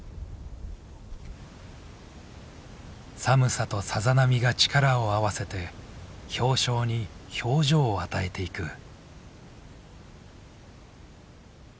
寒さとさざ波が力を合わせて氷晶に表情を与えていく。